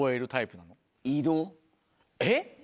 えっ？